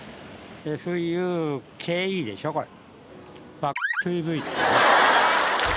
ＦＵＫでしょこれ。